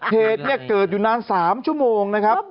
เพศเกิดอยู่นาน๓ชั่วโมง